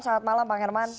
selamat malam bang herman